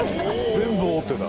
全部、王手だ。